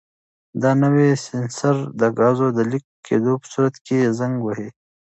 دا نوی سینسر د ګازو د لیک کېدو په صورت کې زنګ وهي.